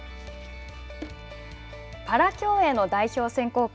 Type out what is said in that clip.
パラ競泳の代表選考会。